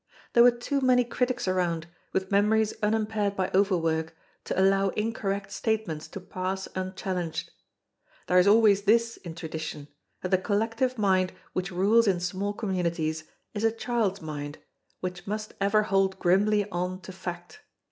There were too many critics around, with memories unimpaired by overwork, to allow incorrect statements to pass unchallenged. There is always this in tradition, that the collective mind which rules in small communities is a child's mind, which must ever hold grimly on to fact.